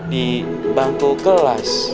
di bangku kelas